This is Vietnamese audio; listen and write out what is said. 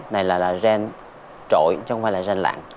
này là gen trội chứ không phải là gen lặng